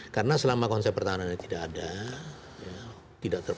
karena selama konsep pertahanan ini tidak ada